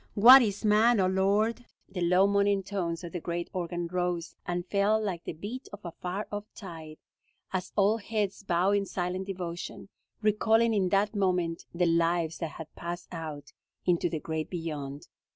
What is man, O Lord?" The low, moaning tones of the great organ rose and fell like the beat of a far off tide, as all heads bowed in silent devotion, recalling in that moment the lives that had passed out into the great beyond.